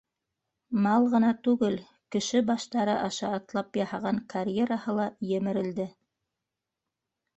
Мал ғына түгел, кеше баштары аша атлап яһаған карьераһы ла емерелде.